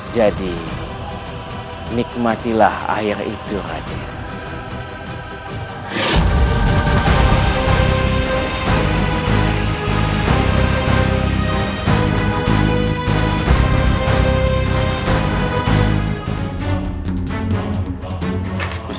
jadi nikmatilah air itu radit